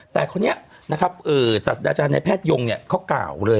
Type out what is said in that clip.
แต่คนนี้นะครับศาสตราจารย์ในแพทยงเนี่ยเขากล่าวเลย